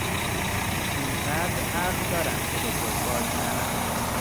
اونقدر عقل دارم که به تو باج ندم